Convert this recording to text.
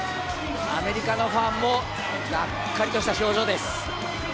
アメリカのファンも、がっかりとした表情です。